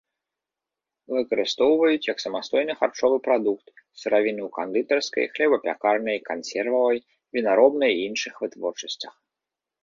Выкарыстоўваюць як самастойны харчовы прадукт, сыравіну ў кандытарскай, хлебапякарнай, кансервавай, вінаробнай і іншых вытворчасцях.